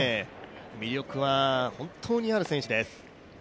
魅力は本当にある選手です。